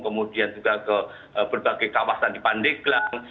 kemudian juga ke berbagai kawasan di pandeglang